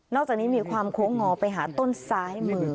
จากนี้มีความโค้งงอไปหาต้นซ้ายมือ